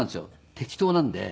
適当なんで。